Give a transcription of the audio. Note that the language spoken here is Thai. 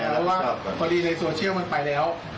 เพราะว่าพอดีในโซเชียลมันไปแล้ว